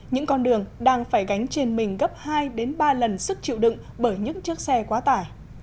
những con đường đang phải gánh trên mình gấp hai ba lần sức chịu đựng bởi những chiếc xe quá tải